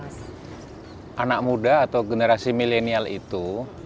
karena anak muda atau generasi milenial itu